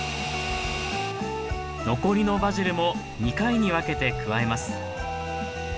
残りのバジルも２回に分けて加えます